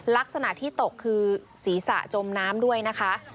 ลักษณะที่ตกคือศีรษะจมน้ำด้วยนะคะ